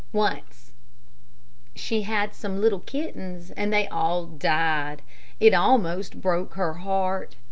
Once she had some little kittens and they all died. It almost broke her heart.